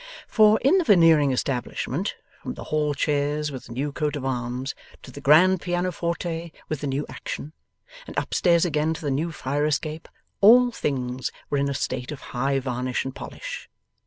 For, in the Veneering establishment, from the hall chairs with the new coat of arms, to the grand pianoforte with the new action, and upstairs again to the new fire escape, all things were in a state of high varnish and polish.